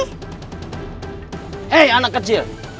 hei anak kecil